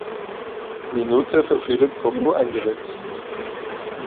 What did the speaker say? Minute für Phillip Cocu eingewechselt.